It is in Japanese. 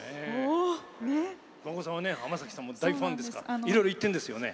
桑子さんは浜崎さんも大好きでいろいろ行ってるんですよね。